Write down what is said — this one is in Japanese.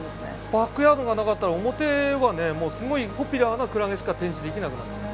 バックヤードがなかったら表はねすごいポピュラーなクラゲしか展示できなくなっちゃう。